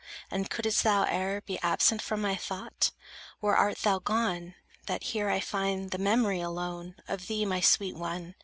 And couldst thou e'er Be absent from my thought? Where art thou gone, That here I find the memory alone, Of thee, my sweet one?